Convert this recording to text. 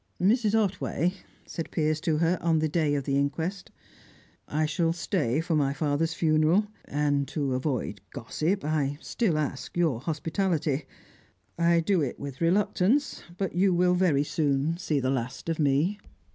"Mrs. Otway," said Piers to her, on the day of the inquest, "I shall stay for my father's funeral, and to avoid gossip I still ask your hospitality. I do it with reluctance, but you will very soon see the last of me."